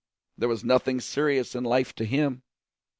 There was nothing serious in life to him.